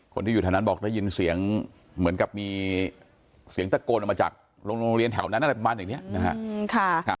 คนที่อยู่แถวนั้นบอกได้ยินเสียงเหมือนกับมีเสียงตะโกนออกมาจากโรงเรียนแถวนั้นอะไรประมาณอย่างนี้นะครับ